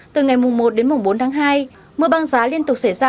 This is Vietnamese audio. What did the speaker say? từ ngày một đến mùng bốn tháng hai mưa băng giá liên tục xảy ra